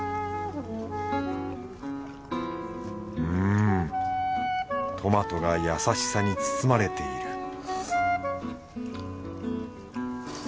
うんトマトが優しさに包まれている